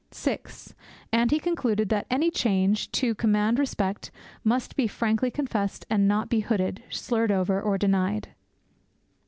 (6) And he concluded that any change, to command respect, must be frankly confessed, and not be hooded, slurred over, or denied.